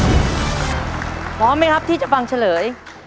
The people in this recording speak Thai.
พร้อมไหมครับที่จะฟังเฉลย